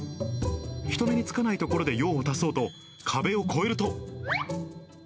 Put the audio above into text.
人目につかない所で用を足そうと、壁を越えると。